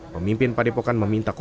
pemimpin padepokan meminta korban